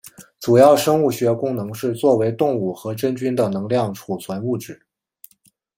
主要生物学功能是作为动物和真菌的能量储存物质。